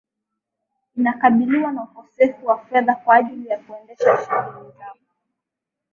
Inakabiliwa na ukosefu wa fedha kwa ajili ya kuendesha shughuli zao